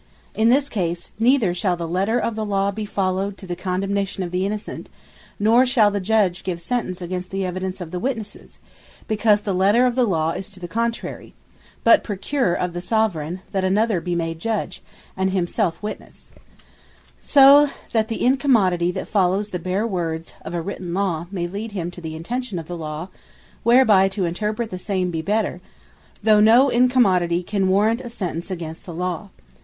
In this case neither shall the Letter of the Law be followed to the condemnation of the Innocent, nor shall the Judge give Sentence against the evidence of the Witnesses; because the Letter of the Law is to the contrary: but procure of the Soveraign that another be made Judge, and himselfe Witnesse. So that the incommodity that follows the bare words of a written Law, may lead him to the Intention of the Law, whereby to interpret the same the better; though no Incommodity can warrant a Sentence against the Law.